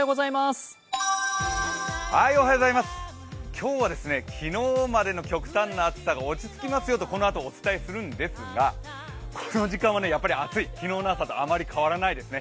今日は昨日までの極端な暑さが落ち着きますよとこのあとお伝えするんですがこの時間はやっぱり暑い、昨日の朝とあまり変わらないですね。